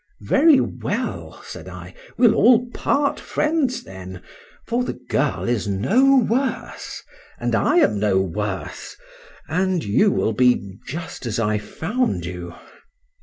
—Very well, said I, we'll all part friends then,—for the girl is no worse,—and I am no worse,—and you will be just as I found you.